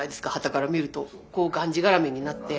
こうがんじがらめになって。